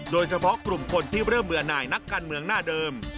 โดยเฉพาะกลุ่มคนที่เริ่มเบื่อหน่ายนักการเมืองหน้าเดิม